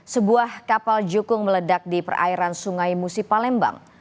sebuah kapal jukung meledak di perairan sungai musi palembang